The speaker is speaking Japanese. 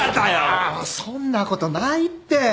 ああそんなことないって。